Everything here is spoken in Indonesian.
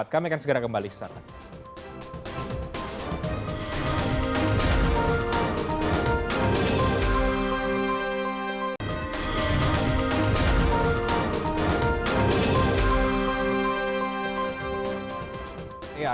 kami akan segera kembali ke sana